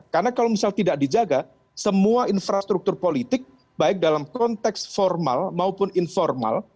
karena kalau misalnya tidak dijaga semua infrastruktur politik baik dalam konteks formal maupun informal